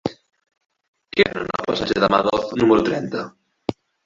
Què venen al passatge de Madoz número trenta?